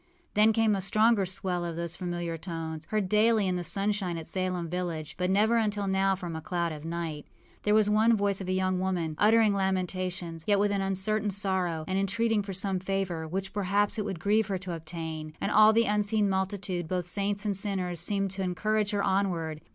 Then came a stronger swell of those familiar tones, heard daily in the sunshine at Salem village, but never until now from a cloud of night There was one voice of a young woman, uttering lamentations, yet with an uncertain sorrow, and entreating for some favor, which, perhaps, it would grieve her to obtain; and all the unseen multitude, both saints and sinners, seemed to encourage her onward.